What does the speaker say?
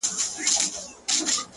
ددې نړۍ وه ښايسته مخلوق ته؛